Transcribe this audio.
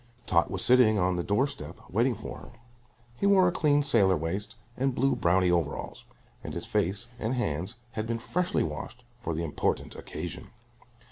Tot was sitting on the door step waiting for her. He wore a clean sailor waist and blue brownie overalls, and his face and hands had been freshly washed for the important occasion.